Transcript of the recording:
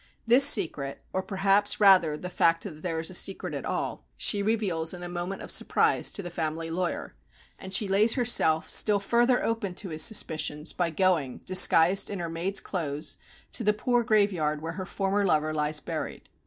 This secret, or perhaps rather the fact that there is a secret at all, she reveals in a moment of surprise to the family lawyer; and she lays herself still further open to his suspicions by going, disguised in her maid's clothes, to the poor graveyard where her former lover lies buried.